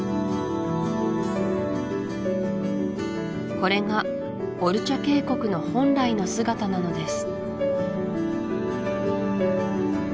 これがオルチャ渓谷の本来の姿なのです